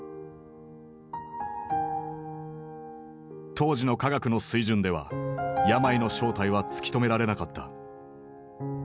当時の科学の水準では病の正体は突き止められなかった。